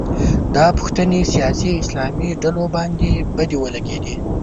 دا پوښتنې سیاسي اسلام ډلو باندې بدې ولګېدې